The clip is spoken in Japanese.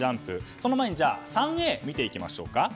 その前に３Ａを見ていきましょう。